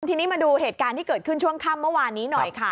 ทีนี้มาดูเหตุการณ์ที่เกิดขึ้นช่วงค่ำเมื่อวานนี้หน่อยค่ะ